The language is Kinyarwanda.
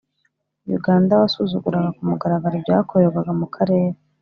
uganda wasuzuguraga ku mugaragaro ibyakorerwaga mu karere.